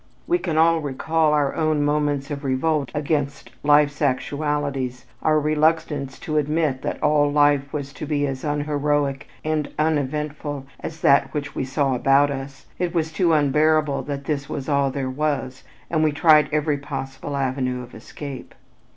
We can all recall our own moments of revolt against life's actualities, our reluctance to admit that all life was to be as unheroic and uneventful as that which we saw about us, it was too unbearable that "this was all there was" and we tried every possible avenue of escape.